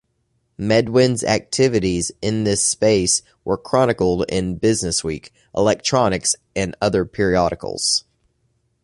Medwin's activities in this space were chronicled in Business Week, Electronics and other periodicals.